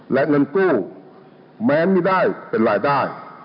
และเงินกู้แม้ไม่ได้เป็นรายได้